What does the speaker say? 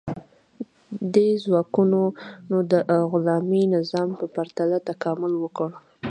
دې ځواکونو د غلامي نظام په پرتله تکامل وکړ.